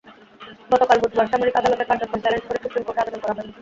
গতকাল বুধবার সামরিক আদালতের কার্যক্রম চ্যালেঞ্জ করে সুপ্রিম কোর্টে আবেদন করা হয়।